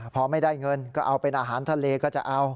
พอไม่ได้เงินก็เอาเป็นอาหารทะเลก็จะเอา